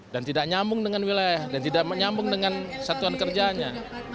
dan tidak nyambung dengan wilayah dan tidak menyambung dengan satuan kerjaannya